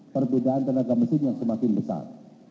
perbedaan tenaga mesin yang semakin besar